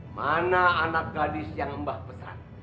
mana anak gadis yang mbah pesan